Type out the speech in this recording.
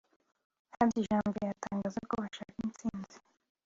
Hadi Janvier atangaza ko bashaka intsinzi